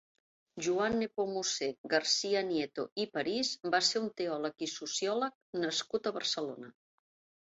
Joan Nepomucè García-Nieto i París va ser un teòleg i sociòleg nascut a Barcelona.